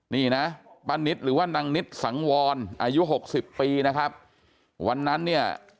นี่นะป้านิตหรือว่านางนิดสังวรอายุหกสิบปีนะครับวันนั้นเนี่ย